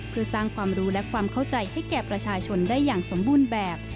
เพื่อสร้างความรู้และความเข้าใจให้แก่ประชาชนได้อย่างสมบูรณ์แบบ